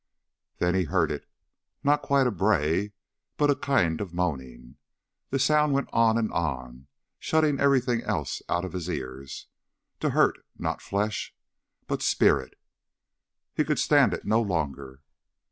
Then he heard it not quite a bray, but a kind of moaning. The sound went on and on shutting everything else out of his ears to hurt not flesh, but spirit. He could stand it no longer.